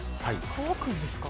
乾くんですか？